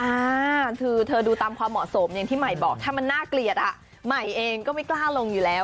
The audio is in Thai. อ่าคือเธอดูตามความเหมาะสมอย่างที่ใหม่บอกถ้ามันน่าเกลียดอ่ะใหม่เองก็ไม่กล้าลงอยู่แล้ว